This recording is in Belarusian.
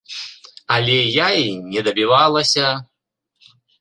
Але я й не дабівалася!